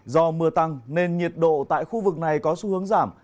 do mưa tăng nên nhiệt độ tại khu vực này có xu hướng giảm